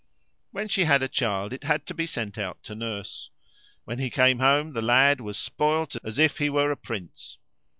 When she had a child, it had to be sent out to nurse. When he came home, the lad was spoilt as if he were a prince.